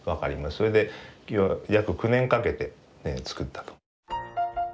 それで約９年かけて作ったと。